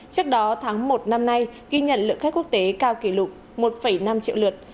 trước đó tháng một năm nay ghi nhận lượng khách quốc tế cao kỷ lục một năm triệu lượt